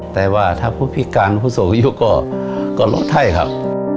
แต่ว่าถ้าผู้พิการผู้สูงอายุก็ลดไข้ครับ